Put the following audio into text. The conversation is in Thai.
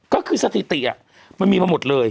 ก็คือสถิติมันมีมาหมดเลย